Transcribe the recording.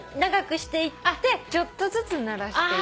ちょっとずつ慣らしていく。